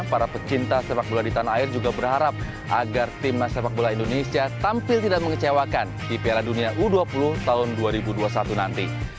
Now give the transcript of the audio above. para pecinta sepak bola di tanah air juga berharap agar timnas sepak bola indonesia tampil tidak mengecewakan di piala dunia u dua puluh tahun dua ribu dua puluh satu nanti